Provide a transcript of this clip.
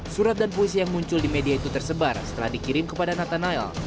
surat dan puisi yang muncul di media itu tersebar setelah dikirim kepada nathanel